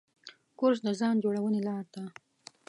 کورس د ځان جوړونې لاره ده.